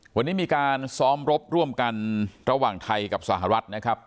วันนี้มีการซ้อมรบร่วมกันระหว่างไทยกับสหรัฐนะครับ